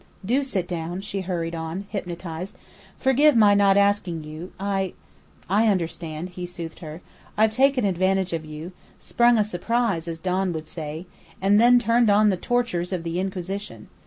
"Do sit down," she hurried on, hypnotized. "Forgive my not asking you. I " "I understand," he soothed her. "I've taken advantage of you sprung a surprise, as Don would say, and then turned on the tortures of the Inquisition.